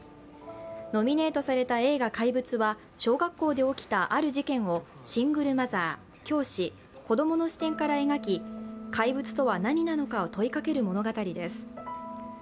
ノミネートされた映画「怪物」は小学校で起きたある事件をシングルマザー、教師、子供の視点から描き怪物とは何かを問いかける物語です。